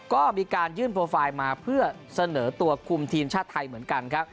ก็มีการยื่นโปรไฟล์มาเพื่อเสนอตัวคุมทีมชาติไทยเหมือนกันครับ